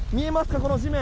この地面。